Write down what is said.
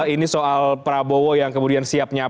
ini soal prabowo yang kemudian siapnya